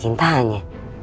gak pentah hanya